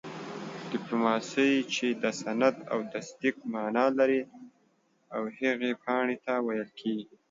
ډيپلوماسۍ چې د سند او تصديق مانا لري او هغې پاڼي ته ويل کيږي